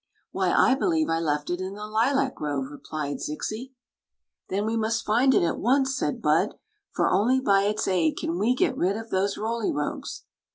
" Why, I believe I left it in the likc^ve," relied ZbsL Queen Zixi of Ix; or, the "Then we must find it at once," said Bud; "for only by its aid can we get rid of those Roly Rogues."